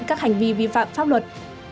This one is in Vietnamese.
các hành vi vi phạm pháp luật